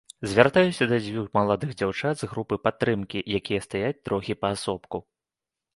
Звяртаюся да дзвюх маладых дзяўчат з групы падтрымкі, якія стаяць трохі паасобку.